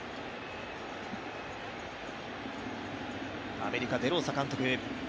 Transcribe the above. アメリカ、デローサ監督。